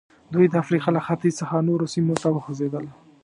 دوی د افریقا له ختیځ څخه نورو سیمو ته وخوځېدل.